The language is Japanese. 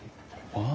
あ。